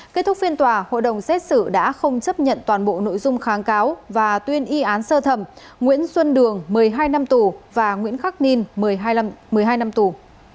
kết thúc phiên tòa hội đồng xét xử đã không chấp nhận toàn bộ nội dung kháng cáo và tuyên y án sơ thẩm nguyễn xuân đường một mươi hai năm tù và nguyễn khắc ninh một mươi hai năm tù